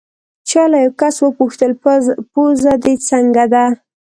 چا له یو کس وپوښتل: پوزه دې څنګه ده؟